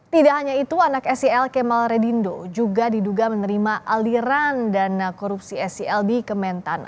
tidak hanya itu anak sel kemal redindo juga diduga menerima aliran dana korupsi sel di kementan